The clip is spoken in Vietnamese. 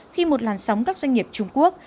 khi một làn sóng các doanh nghiệp trung quốc